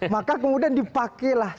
maka kemudian dipakailah